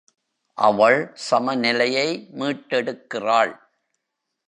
அவள் சமநிலையை மீட்டெடுக்கிறாள்.